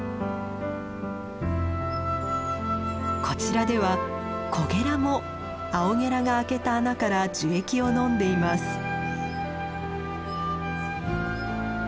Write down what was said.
こちらではコゲラもアオゲラが開けた穴から樹液を飲んでいます。